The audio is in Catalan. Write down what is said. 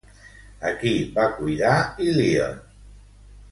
A qui va cuidar Ilíone?